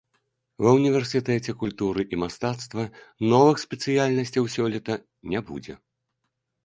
Ва ўніверсітэце культуры і мастацтва новых спецыяльнасцяў сёлета не будзе.